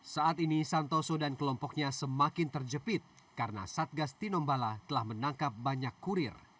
saat ini santoso dan kelompoknya semakin terjepit karena satgas tinombala telah menangkap banyak kurir